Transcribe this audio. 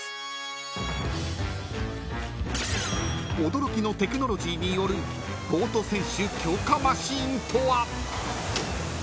［驚きのテクノロジーによるボート選手強化マシンとは］